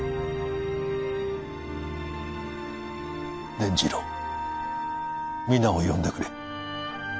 伝次郎皆を呼んでくれ。